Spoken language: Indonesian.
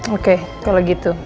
oke kalau gitu